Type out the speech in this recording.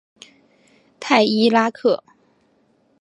泰伊拉克。